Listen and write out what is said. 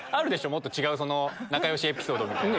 もっと違う仲良しエピソード。